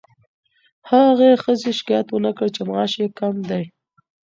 هغې ښځې شکایت ونه کړ چې معاش یې کم دی.